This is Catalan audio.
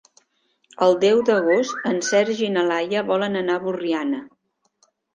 El deu d'agost en Sergi i na Laia volen anar a Borriana.